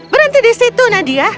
berhenti di situ nadia